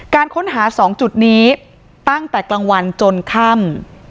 การค้นหา๒จุดนี้ตั้งแต่กลางวันจนค่ำ